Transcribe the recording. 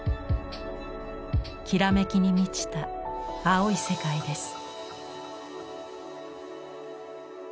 きらめきに満ちた青い世界です。